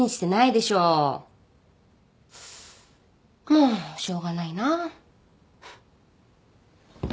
もうしょうがないな。